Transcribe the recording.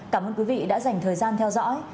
cảm ơn quý vị đã dành thời gian theo dõi